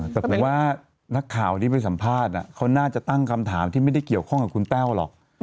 แต่ผมว่านักข่าวที่ไปสัมภาษณ์เขาน่าจะตั้งคำถามที่ไม่ได้เกี่ยวข้องกับคุณแต้วหรอก